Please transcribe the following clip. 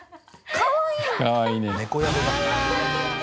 かわいい！